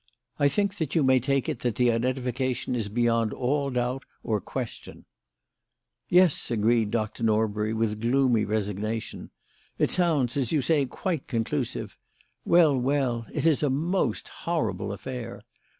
I think that you may take it that the identification is beyond all doubt or question." "Yes," agreed Dr. Norbury, with gloomy resignation, "it sounds, as you say, quite conclusive. Well, well, it is a most horrible affair.